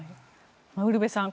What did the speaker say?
ウルヴェさん